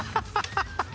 ハハハハ！